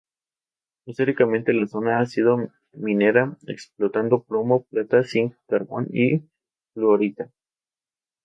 Históricamente la zona ha sido minera, explotando plomo, plata, zinc, carbón y fluorita.